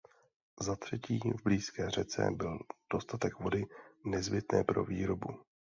Za třetí v blízké řece byl dostatek vody nezbytné pro výrobu.